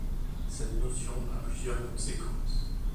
Cette notion a plusieurs conséquences.